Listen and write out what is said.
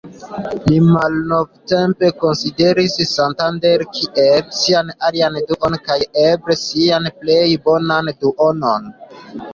Li malnovtempe konsideris Santander kiel ""sian alian duonon, kaj eble sian plej bonan duonon"".